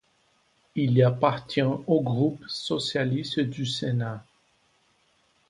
Il appartient au groupe socialiste du Sénat.